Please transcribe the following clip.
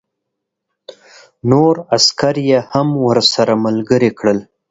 نور عسکر یې هم ورسره ملګري کړل